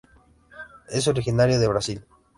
Es originario de Brasil.